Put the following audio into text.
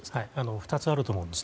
２つあると思うんです。